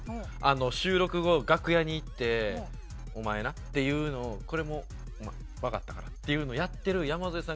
収録後楽屋に行って「お前な」っていうのを「お前わかったか？」っていうのをやってる山添さんが想像できた。